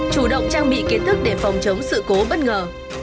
chủ động trang bị kiến thức để phòng chống sự cố bất ngờ